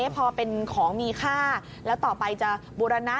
พอเป็นของมีค่าแล้วต่อไปจะบูรณะ